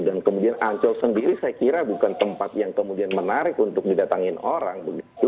dan kemudian ancol sendiri saya kira bukan tempat yang kemudian menarik untuk didatangi orang